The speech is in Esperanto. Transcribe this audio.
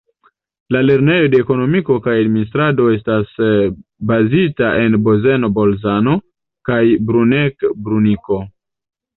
La Lernejo de Ekonomiko kaj administrado estas bazita en Bozen-Bolzano kaj Bruneck-Brunico.